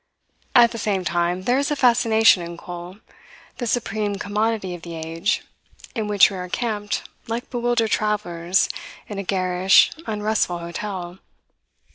At the same time, there is a fascination in coal, the supreme commodity of the age in which we are camped like bewildered travellers in a garish, unrestful hotel.